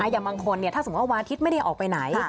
อย่างบางคนถ้าสมมุติวันอาทิตย์ไม่ได้ออกไปไหน